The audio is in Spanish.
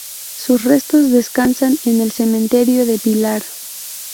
Sus restos descansan en el Cementerio de Pilar.